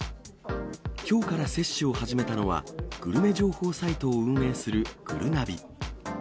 きょうから接種を始めたのは、グルメ情報サイトを運営するぐるなび。